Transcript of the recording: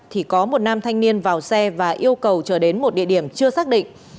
thì có một nam thanh niên vào xe và yêu cầu trở đến một địa điểm chưa xác định